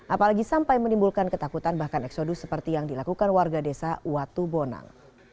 apalagi sampai menimbulkan ketakutan bahkan eksodus seperti yang dilakukan warga desa watubonang